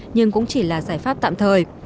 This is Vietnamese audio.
nhưng cũng chỉ là giải pháp tạm thời